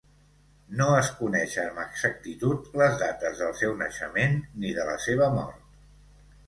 No es coneixen amb exactitud les dates del seu naixement ni de la seva mort.